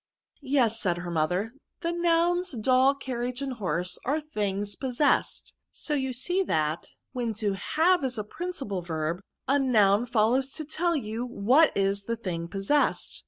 "" Yes/* said her mother, " the nouns doll, carriage, and horse, are the things pos sessed." So you see that when to have is a prin cipal verb, a noun follows to tell you what is the thing po^essed.